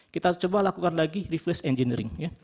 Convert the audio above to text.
kita coba lakukan lagi refless engineering